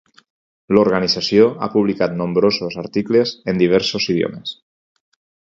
L'organització ha publicat nombrosos articles, en diversos idiomes.